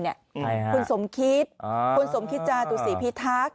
ใครครับคุณสมคิตคุณสมคิตจาตุษีพีทัก